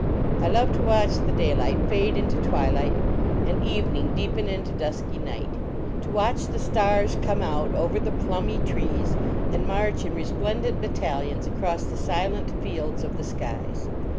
I love to watch the daylight fade into twilight, and evening deepen into du>ky night; to watch the stars come out over the plumy tree> and march in re splendent battalion> acro > the >ilent fields of the skies.